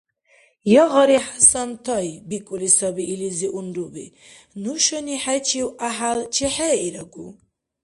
— Ягъари, ХӀясантай, — бикӀули саби илизи унруби, — нушани хӀечив гӀяхӀял чехӀеирагу?